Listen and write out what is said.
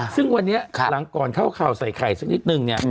ซึ่งวันนี้หลังก่อนเข้าข่าวใส่ไข่สักนิดนึงเนี่ย